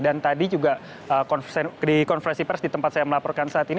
dan tadi juga di konfesi pers di tempat saya melaporkan saat ini